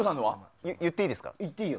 言っていいですか。